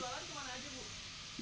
jualan kemana aja bu